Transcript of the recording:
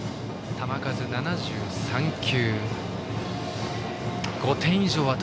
球数、７３球の辻。